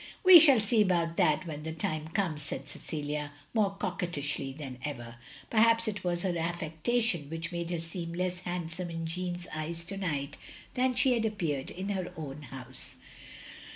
"" We shall see about that when the time comes, " said Cecilia, more coquettishly than ever. Per haps it was her affectation which made her seem less handsome in Jeanne's eyes to night, than she had appeared in her own house.